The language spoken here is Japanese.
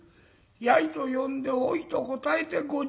「やい」と呼んで「おい」と答えて５０年。